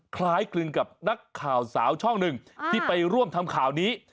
คล้ายคลึงกับนักข่าวสาวช่องหนึ่งที่ไปร่วมทำข่าวนี้